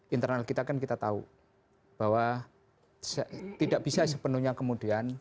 internal kita kan kita tahu bahwa tidak bisa sepenuhnya kemudian